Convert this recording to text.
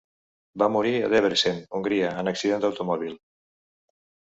Va morir a Debrecen, Hongria, en accident d'automòbil.